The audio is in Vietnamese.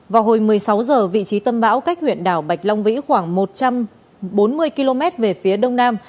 vào hồi một mươi sáu h vị trí tâm bão cách huyện đảo bạch long vĩ khoảng một trăm bốn mươi km về phía đông nam